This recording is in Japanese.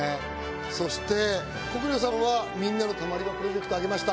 そして國領さんはみんなのたまり場プロジェクトを挙げました。